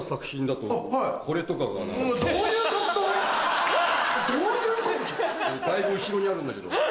だいぶ後ろにあるんだけど。